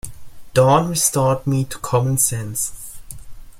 Dawn restored me to common sense.